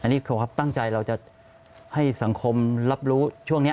อันนี้ครูครับตั้งใจเราจะให้สังคมรับรู้ช่วงนี้